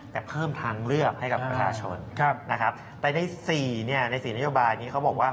แต่เพิ่มทางเลือกให้กับประชาชนนะครับแต่ใน๔ใน๔นโยบายนี้เขาบอกว่า